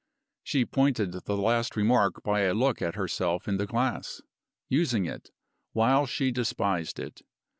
She pointed the last remark by a look at herself in the glass; using it, while she despised it.